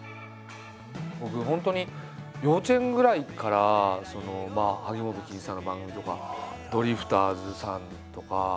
僕本当に幼稚園ぐらいから萩本欽一さんの番組とかドリフターズさんとか。